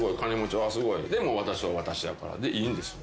でも私は私やからでいいんですよ。